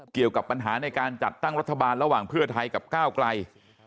เกี่ยวกับปัญหาในการจัดตั้งรัฐบาลระหว่างเพื่อไทยกับก้าวไกล